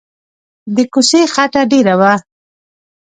د کوڅې خټه ډېره وه.